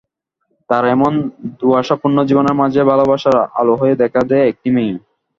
তার এমন ধোঁয়াশাপূর্ণ জীবনের মাঝে ভালোবাসার আলো হয়ে দেখা দেয় একটি মেয়ে।